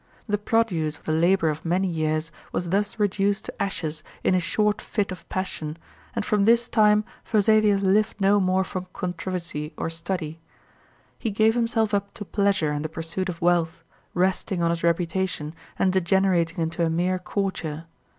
The produce of the labour of many years was thus reduced to ashes in a short fit of passion, and from this time Vesalius lived no more for controversy or study. He gave himself up to pleasure and the pursuit of wealth, resting on his reputation and degenerating into a mere courtier.